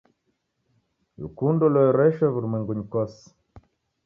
Kukundo luereshwe w'urumwengunyi kose.